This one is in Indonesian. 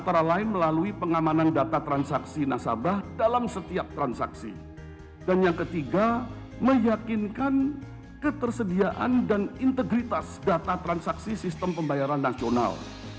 dan yang ketiga meyakinkan ketersediaan dan integritas data transaksi sistem pembayaran nasional